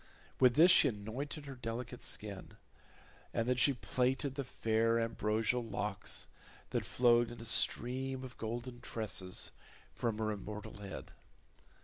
With this she anointed her delicate skin, and then she plaited the fair ambrosial locks that flowed in a stream of golden tresses from her immortal head.